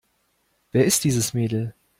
Wer ist dieses Mädel?